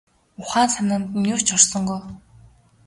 Ухаан санаанд нь юу ч орсонгүй.